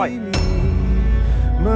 tapi kamu dan juga roy